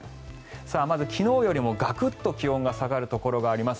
まず、昨日よりもガクッと気温が下がるところがあります。